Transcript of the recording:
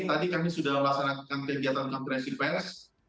tadi kami sudah melaksanakan kegiatan kompresi pes